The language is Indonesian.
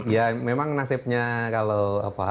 ya memang nasibnya kalau